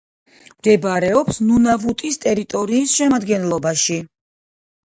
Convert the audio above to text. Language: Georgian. მდებარეობს ნუნავუტის ტერიტორის შემადგენლობაში.